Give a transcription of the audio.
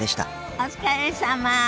お疲れさま。